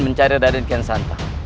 mencari raden kian santang